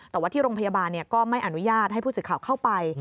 แต่ว่าที่โรงพยาบาลก็ไม่อนุญาตให้ผู้สื่อข่าวเข้าไป